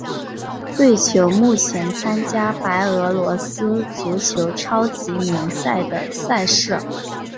球队目前参加白俄罗斯足球超级联赛的赛事。